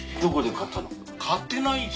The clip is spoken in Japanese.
買ってないし。